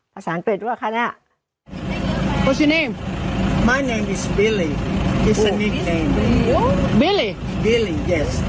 ภาษาอังกฤษด้วยค่ะเนี้ย